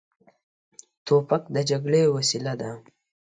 توپک د جګړې وسیله ده.